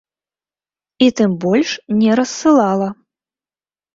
І тым больш не рассылала.